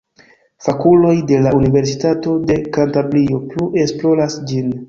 Fakuloj de la Universitato de Kantabrio plu esploras ĝin.